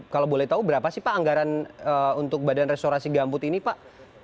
kalau boleh tahu berapa sih pak anggaran untuk badan restorasi gambut ini pak